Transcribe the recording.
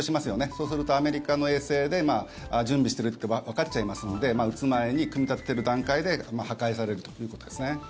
そうすると、アメリカの衛星で準備してるってわかっちゃいますので撃つ前に、組み立ててる段階で破壊されるということですね。